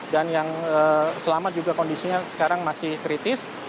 dan yang selamat juga kondisinya sekarang masih kritis